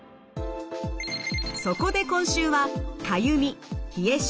そこで今週はかゆみ冷え症